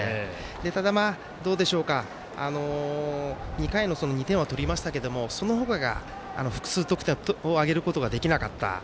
ただ、２回の２点は取りましたけれどもその他が、複数得点を挙げることができなかった。